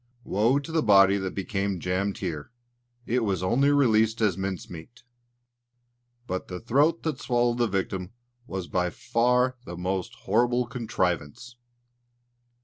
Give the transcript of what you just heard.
Woe to the body that became jammed here! It was only released as mince meat. But the throat that swallowed the victim was by far the most horrible contrivance.